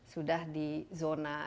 sudah di zona